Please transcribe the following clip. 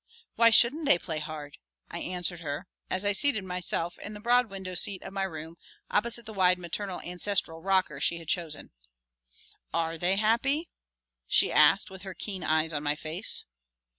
Why shouldn't they play hard?" I answered her, as I seated myself in the broad window seat of my room opposite the wide maternal ancestral rocker she had chosen. "Are they happy?" she asked, with her keen eyes on my face.